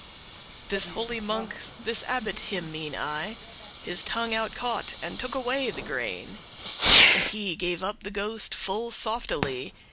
'" *afraid This holy monk, this abbot him mean I, His tongue out caught, and took away the grain; And he gave up the ghost full softely.